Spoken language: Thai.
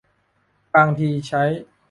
บางทีใช้